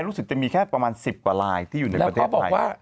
รู้สึกจะมีแค่ประมาณ๑๐กว่าลายที่อยู่ในประเทศไทย